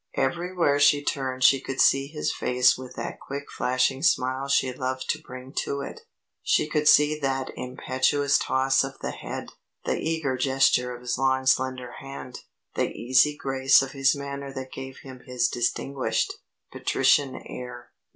Everywhere she turned she could see his face with that quick flashing smile she loved to bring to it. She could see that impetuous toss of the head, the eager gesture of his long slender hand, the easy grace of his manner that gave him his distinguished, patrician air.